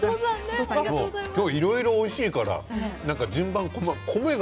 今日いろいろおいしいから順番が。